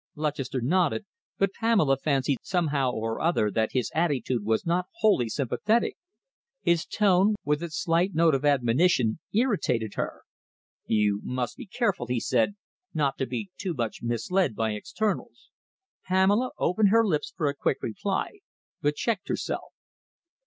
Lutchester nodded, but Pamela fancied somehow or other that his attitude was not wholly sympathetic. His tone, with its slight note of admonition, irritated her. "You must be careful," he said, "not to be too much misled by externals." Pamela opened her lips for a quick reply, but checked herself.